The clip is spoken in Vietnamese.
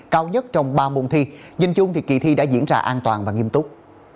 cao nhất trong ba môn thi nhìn chung thì kỳ thi đã diễn ra an toàn và nghiêm túc